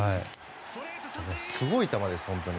すごい球です、本当に。